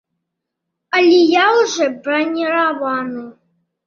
Але я ўжо браніраваны.